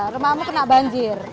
rumahmu kena banjir